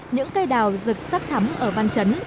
những cây đào rực sắc thắm ở văn chấn